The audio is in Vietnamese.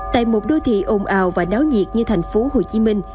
tại một đô thị ồn ào và náo nhiệt như thành phố hồ chí minh